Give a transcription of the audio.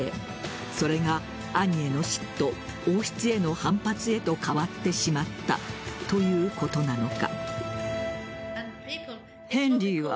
それが兄への嫉妬王室への反発へと変わってしまったということなのか。